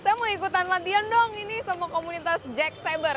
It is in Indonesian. saya mau ikutan latihan dong ini sama komunitas jack cyber